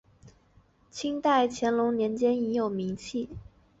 清代乾隆年间已有名气。